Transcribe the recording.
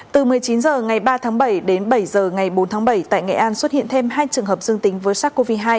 từ một mươi chín h ngày ba tháng bảy đến bảy h ngày bốn tháng bảy tại nghệ an xuất hiện thêm hai trường hợp dương tính với sars cov hai